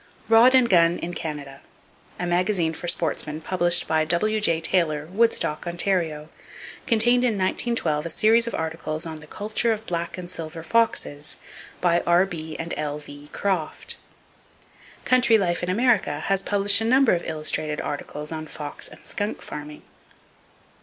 Rod and Gun in Canada, a magazine for sportsmen published by W.J. Taylor, Woodstock, Ontario, contained in 1912 a series of articles on "The Culture of Black and Silver Foxes," by R.B. and L.V. Croft. Country Life in America has published a number of illustrated articles on fox and skunk farming.